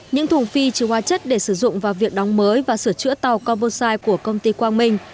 những thùng phi chứa hóa chất để sử dụng vào việc đóng mới và sửa chữa tàu coposai của công ty quang minh